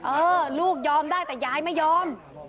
เออลูกยอมได้แต่ยายไม่ยอม